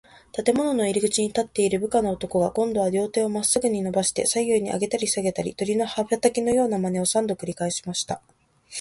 建物の入口に立っている部下の男が、こんどは両手をまっすぐにのばして、左右にあげたりさげたり、鳥の羽ばたきのようなまねを、三度くりかえしました。